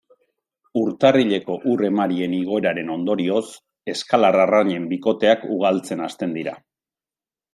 Urtarrileko ur-emarien igoeraren ondorioz, eskalar arrainen bikoteak ugaltzen hasten dira.